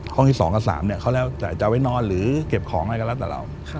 ห้องที่๒๓เนี่ยเขาจะเอาไว้นอนหรือเก็บของไว้ก็แล้วแต่เรา